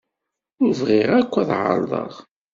Ur bɣiɣ akk ad ɛerḍeɣ.